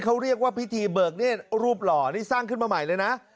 เขาเรียกว่าพิธีเบิกเนธรูปหล่อนี่สร้างขึ้นมาใหม่เลยนะ